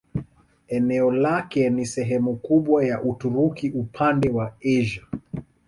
Eneo lake ni sehemu kubwa ya Uturuki upande wa Asia.